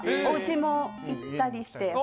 おうちも行ったりして。